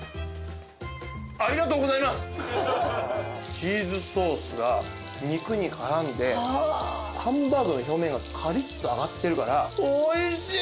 チーズソースが肉に絡んでハンバーグの表面がカリッと揚がってるからおいしい！